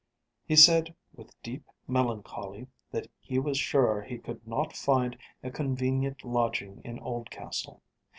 He said with deep melancholy that he was sure he could not find a convenient lodging in Oldcastle.